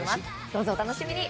どうぞお楽しみに。